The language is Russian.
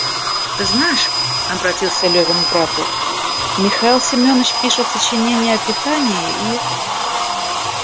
Ты знаешь, — обратился Левин к брату, — Михаил Семеныч пишет сочинение о питании и...